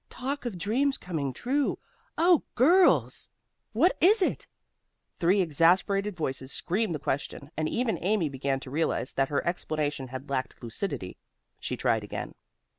"Talk of dreams coming true! Oh, girls!" "What is it?" Three exasperated voices screamed the question, and even Amy began to realize that her explanation had lacked lucidity. She tried again.